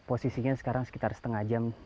posisinya sekarang sekitar setengah jam